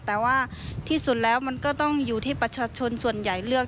แต่ว่าที่สุดแล้วมันก็ต้องอยู่ที่ประชาชนส่วนใหญ่เลือก